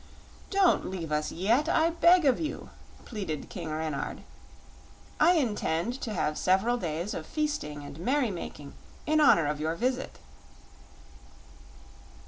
"Don't leave us yet, I beg of you," pleaded King Renard. "I intend to have several days of feasting and merry making in honor of your visit."